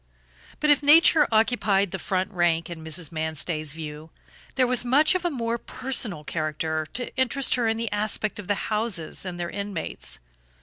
But if nature occupied the front rank in Mrs. Manstey's view, there was much of a more personal character to interest her in the aspect of the houses and their inmates.